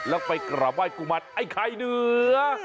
แล้วไปกราบไห้กุมารไอ้ไข่เหนือ